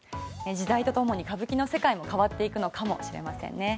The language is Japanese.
時代とともに歌舞伎の世界も変わっていくのかもしれませんね。